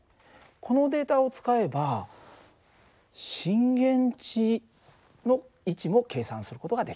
このデータを使えば震源地の位置も計算する事ができるんだ。